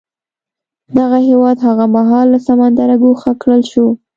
دغه هېواد هغه مهال له سمندره ګوښه کړل شو.